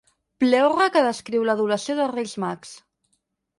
Pleurre que descriu l'adoració dels Reis Mags.